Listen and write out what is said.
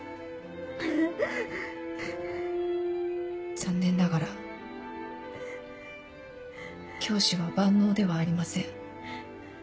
残念ながら教師は万能ではありません。